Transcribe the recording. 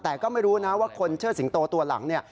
แต่ก็ไม่รู้นะว่าคนเชิดสิงโตตัวหลังเนี่ย